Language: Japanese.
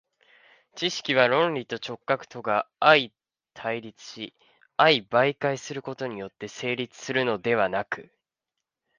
知識は論理と直覚とが相対立し相媒介することによって成立するのではなく、